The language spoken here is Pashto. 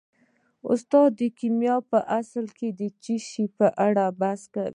استاده کیمیا په اصل کې د څه شي په اړه بحث کوي